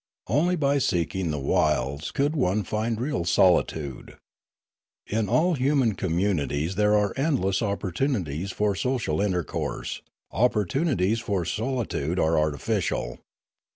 Only by seeking the wilds could one find real solitude. In all human communities there are endless opportunities for social intercourse; opportunities for solitude are artificial.